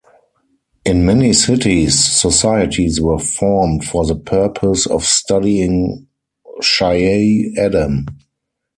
In many cities, societies were formed for the purpose of studying "Chayei Adam".